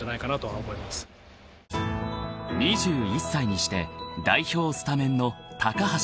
［２１歳にして代表スタメンの］